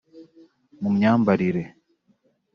mu myambarire